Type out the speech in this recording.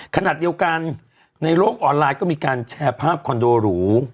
ขณะเดียวกันในโลกออนไลน์ก็มีการแชร์ภาพคอนโดหรู